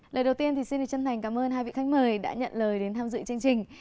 lời đầu tiên thì xin chân thành cảm ơn hai vị khách mời đã nhận lời đến tham dự chương trình